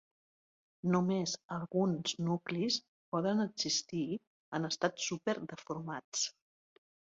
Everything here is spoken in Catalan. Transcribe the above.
Només alguns nuclis poden existir en estats super deformats.